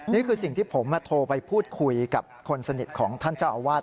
นี่คือสิ่งที่ผมโทรไปพูดคุยกับคนสนิทของท่านเจ้าอาวาส